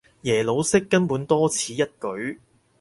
耶魯式根本多此一舉